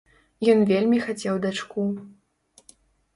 Ён вельмі хацеў дачку.